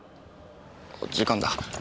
時間だ。